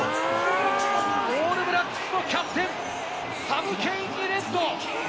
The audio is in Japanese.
オールブラックスのキャプテン、サム・ケインにレッド。